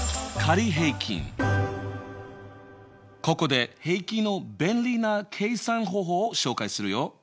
ここで平均の便利な計算方法を紹介するよ。